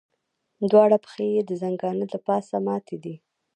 دواړه پښې یې د ځنګانه له پاسه ماتې وې.